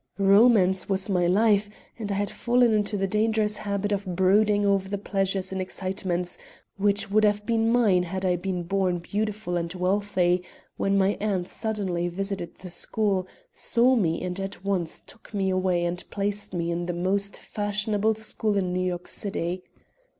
Romance was my life, and I had fallen into the dangerous habit of brooding over the pleasures and excitements which would have been mine had I been born beautiful and wealthy, when my aunt suddenly visited the school, saw me and at once took me away and placed me in the most fashionable school in New York City.